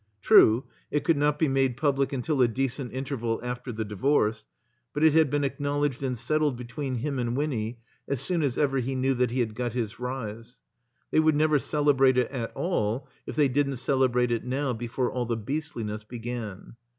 True, it could not be made public until a decent interval after the divorce; but it had been acknowledged and settled between him and Winny as soon as ever he knew that he had got his rise. They would never celebrate it at all if they didn't celebrate it now before all the beastliness began.